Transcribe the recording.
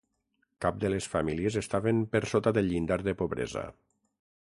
Cap de les famílies estaven per sota del llindar de pobresa.